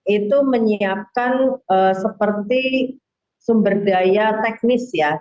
itu menyiapkan seperti sumber daya teknis ya